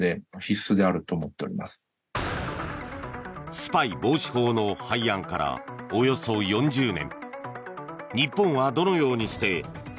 スパイ防止法の廃案からおよそ４０年。